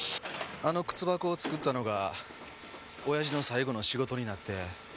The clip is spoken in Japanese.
あの靴箱を作ったのが親父の最後の仕事になって。